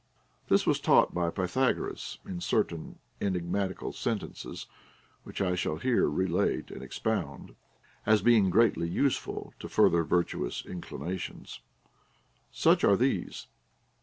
This was taught by Pythagoras in certain enigmatical sentences, which I shall here relate and expound, as being greatly useful to further virtuous inclinations. Such are these.